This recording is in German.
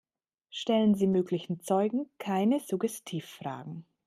Stellen Sie möglichen Zeugen keine Suggestivfragen.